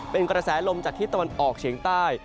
เป็นกระแสลมจากทิศตะวันออกเฉียงใต้